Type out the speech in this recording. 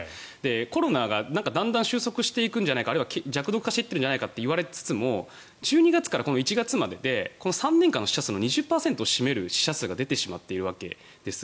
コロナがだんだん収束していくんじゃないかあるいは弱毒化していってるんじゃないかと言われつつも１２月から１月までで３年間の死者数の２０％を占める死者数が出てしまっているわけです。